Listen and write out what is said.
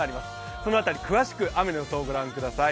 その辺り、詳しく雨の予想ご覧ください。